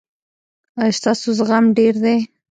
ایا ستاسو زغم ډیر دی؟